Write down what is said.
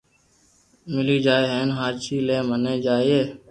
ملي جائي ھين ھاچي لي ملي جائي